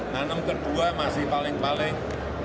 nanam kedua masih paling paling